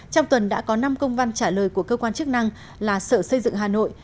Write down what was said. trong tuần đã có năm công văn trả lời của cơ quan chức năng là sở xây dựng hà nội